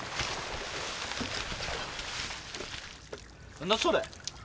何だそれ？